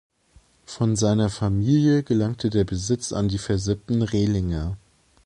Von seiner Familie gelangte der Besitz an die versippten Rehlinger.